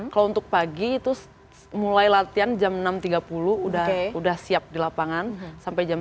kalau untuk pagi itu mulai latihan jam enam tiga puluh udah siap di lapangan sampai jam tiga